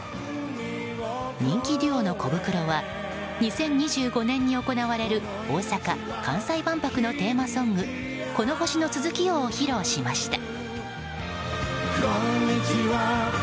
人気デュオのコブクロは２０２５年に行われる大阪・関西万博のテーマソング「この地球の続きを」を披露しました。